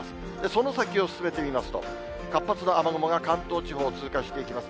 その先を進めてみますと、活発な雨雲が関東地方を通過していきます。